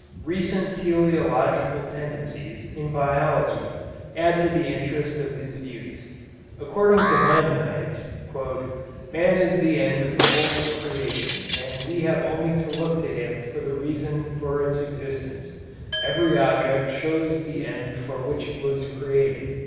Recent teleological tendencies in biology add to the interest of his views. According to Maimonides, "Man is the end of the whole creation, and we have only to look to him for the reason for its existence. Every object shows the end for which it was created.